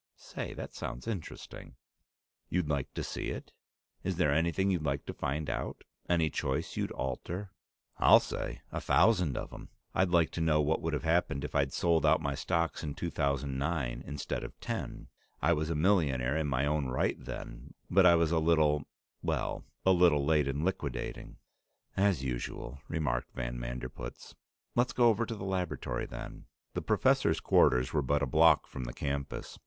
"Say, that sounds interesting!" "You'd like to see it? Is there anything you'd like to find out? Any choice you'd alter?" "I'll say a thousand of 'em. I'd like to know what would have happened if I'd sold out my stocks in 2009 instead of '10. I was a millionaire in my own right then, but I was a little well, a little late in liquidating." "As usual," remarked van Manderpootz. "Let's go over to the laboratory then." The professor's quarters were but a block from the campus.